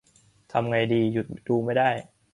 ทำไงดีหยุดดูไม่ได้